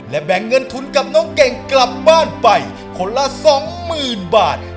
และแบ่งเงินทุนกับน้องเก่งกลับบ้านไปคนละสองหมื่นบาท